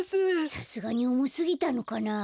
さすがにおもすぎたのかな。